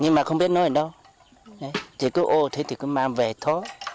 nhưng mà không biết nơi đâu thì cứ ô thế thì cứ mang về thôi